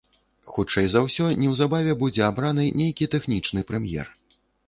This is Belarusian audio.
Хутчэй за ўсё, неўзабаве будзе абраны нейкі тэхнічны прэм'ер.